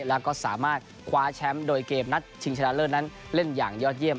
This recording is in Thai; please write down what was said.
แล้วก็สามารถคว้าแชมป์โดยเกมนัดชิงชนะเลิศนั้นเล่นอย่างยอดเยี่ยม